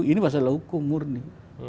ini masalah hukum murni